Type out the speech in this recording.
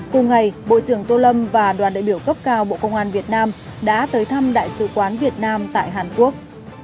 cùng ngày bộ trưởng tô lâm và đoàn đại biểu cấp cao bộ công an việt nam đã tới thăm đại sứ quán việt nam tại hàn quốc